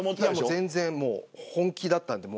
全然、本気だったので。